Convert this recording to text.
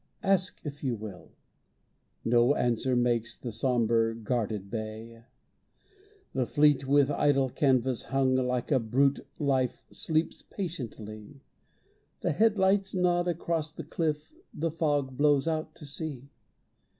Ask, if you will. No answer makes The sombre, guarded bay. The fleet, with idle canvas hung, Like a brute life, sleeps patiently. The headlights nod across the cliff, The fog blows out to sea.